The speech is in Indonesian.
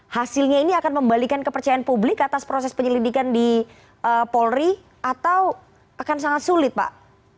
hasilnya ini akan membalikan kepercayaan publik atas proses penyelidikan di polri atau akan sangat sulit pak